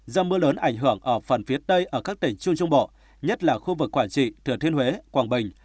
do mưa lớn ảnh hưởng ở phần phía tây ở các tỉnh trung trung bộ nhất là khu vực quảng trị thừa thiên huế quảng bình